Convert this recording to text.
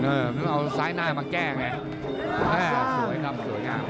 เออเอาซ้ายหน้ามาแก้ไงสวยข้ำสวยงาม